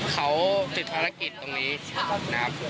เขาติดภารกิจตรงนี้นะครับ